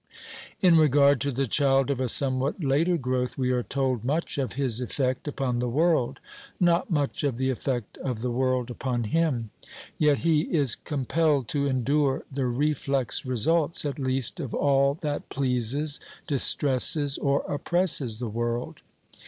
In regard to the child of a somewhat later growth, we are told much of his effect upon the world; not much of the effect of the world upon him. Yet he is compelled to endure the reflex results, at least, of all that pleases, distresses, or oppresses the world.